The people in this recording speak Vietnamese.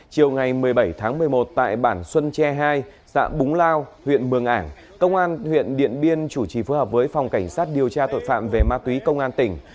chiều ngày một mươi bảy tháng một mươi một tại bản xuân tre hai xã búng lao huyện mường ảng công an huyện điện biên chủ trì phối hợp với phòng cảnh sát điều tra tội phạm về ma túy công an tỉnh